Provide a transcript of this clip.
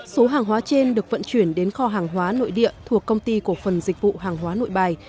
số hàng hóa trên được vận chuyển đến kho hàng hóa nội địa thuộc công ty cổ phần dịch vụ hàng hóa nội bài